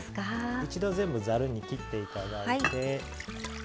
一度全部ざるにきって頂いて。